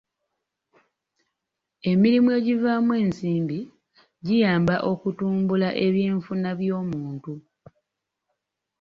Emirimu egivaamu ensimbi giyamba okutumbula ebyenfuna by'omuntu.